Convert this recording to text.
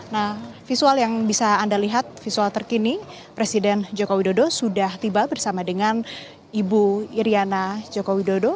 nah visual yang bisa anda lihat visual terkini presiden joko widodo sudah tiba bersama dengan ibu iryana joko widodo